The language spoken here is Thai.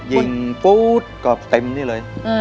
ยิงฟู๊ดก็เต็มนี่เลย